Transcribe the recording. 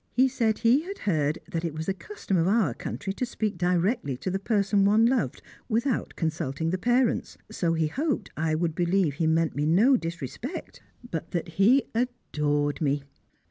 He said he had heard that it was the custom of our country to speak directly to the person one loved, without consulting the parents; so he hoped I would believe he meant me no disrespect, but that he adored me.